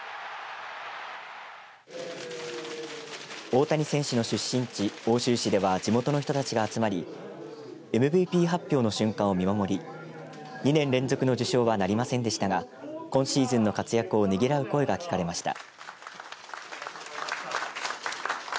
大谷選手の出身地、奥州市では地元の人たちが集まりＭＶＰ発表の瞬間を見守り２年連続の受賞はなりませんでしたが今シーズンの活躍をねぎらう声が聞かれました。